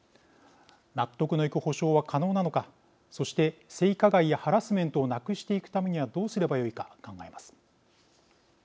納得のいく補償は可能なのかそして、性加害やハラスメントをなくしていくためにはどうすればよいか考えます。